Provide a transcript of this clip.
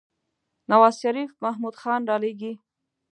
نوازشريف محمود خان رالېږي.